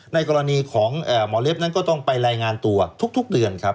ในกรณีของหมอเล็บนั้นก็ต้องไปรายงานตัวทุกเดือนครับ